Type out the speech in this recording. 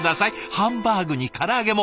ハンバーグに唐揚げも。